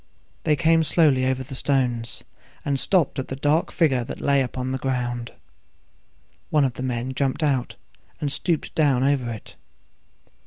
They came slowly over the stones, and stopped at the dark figure that lay upon the ground. One of the men jumped out, and stooped down over it.